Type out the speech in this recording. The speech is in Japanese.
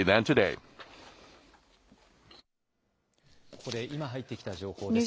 ここで、今入ってきた情報です。